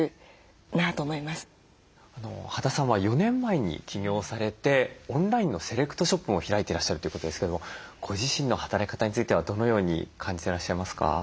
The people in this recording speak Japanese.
羽田さんは４年前に起業されてオンラインのセレクトショップも開いていらっしゃるということですけどもご自身の働き方についてはどのように感じてらっしゃいますか？